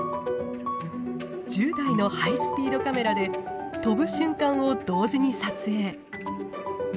１０台のハイスピードカメラで飛ぶ瞬間を同時に撮影。